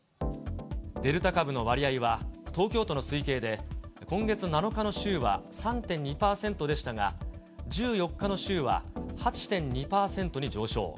デルタ株の割合は、東京都の推計で、今月７日の週は３．２％でしたが、１４日の週は８．２％に上昇。